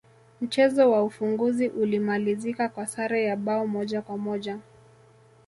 mchezo wa ufunguzi ulimalizika kwa sare ya bao moja kwa moja